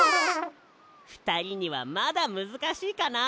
ふたりにはまだむずかしいかな。